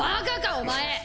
お前。